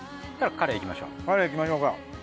カレイいきましょうか。